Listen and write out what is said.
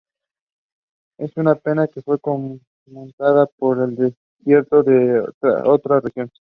Esta pena le fue conmutada por la de destierro a otra región.